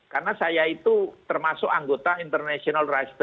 karena saya itu termasuk anggota international race day